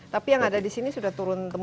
tapi yang ada di sini sudah turun